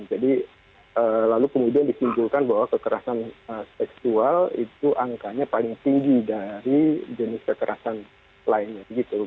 jadi lalu kemudian disimpulkan bahwa kekerasan seksual itu angkanya paling tinggi dari jenis kekerasan lainnya